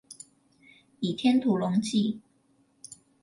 倚天屠龍記